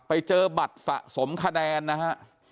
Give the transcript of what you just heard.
ไปเจอบัตรสะสมคะแนนนะฮะ